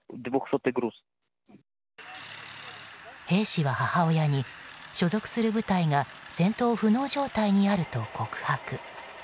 兵士は母親に、所属する部隊が戦闘不能状態にあると告白。